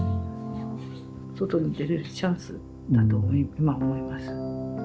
外に出れるチャンスだと今は思います。